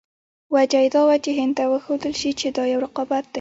وجه یې دا وه چې هند ته وښودل شي چې دا یو رقابت دی.